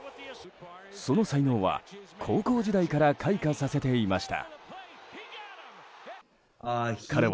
その才能は高校時代から開花させていました。